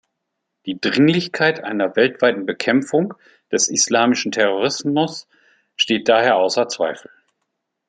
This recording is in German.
Die Dringlichkeit einer weltweiten Bekämpfung des islamischen Terrorismus steht daher außer Zweifel.